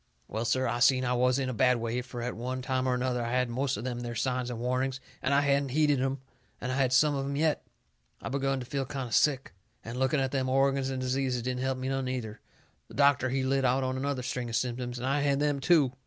Well, sir, I seen I was in a bad way, fur at one time or another I had had most of them there signs and warnings, and hadn't heeded 'em, and I had some of 'em yet. I begun to feel kind o' sick, and looking at them organs and diseases didn't help me none, either. The doctor, he lit out on another string of symptoms, and I had them, too.